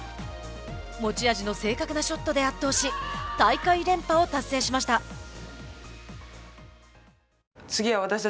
持ち味の正確なショットで圧倒し大会連覇を達成しました。